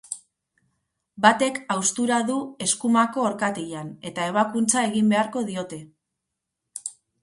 Batek haustura du eskumako orkatilan, eta ebakuntza egin beharko diote.